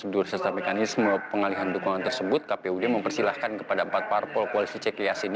terus diuruskan mekanisme pengalihan dukungan tersebut kpud mempersilahkan kepada empat parpol koalisi ckh ini